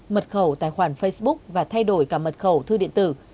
mật khẩu tài khoản facebook và thay đổi cả mật khẩu thư điện tử